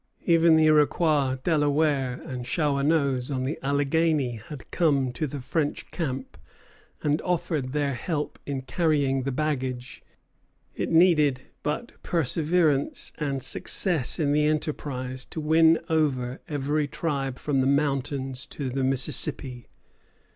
Even the Iroquois, Delawares, and Shawanoes on the Alleghany had come to the French camp and offered their help in carrying the baggage. It needed but perseverance and success in the enterprise to win over every tribe from the mountains to the Mississippi.